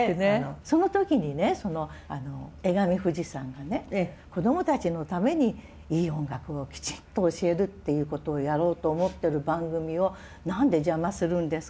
その時にねその江上フジさんがね「こどもたちのためにいい音楽をきちっと教えるっていうことをやろうと思ってる番組を何で邪魔するんですか？」